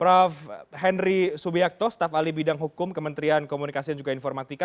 prof henry subiakto staff ali bidang hukum kementerian komunikasi dan juga informatika